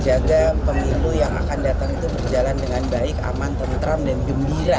jadi jangan sampai kemudian pemilu yang akan datang itu berjalan dengan baik aman tentram dan jembiran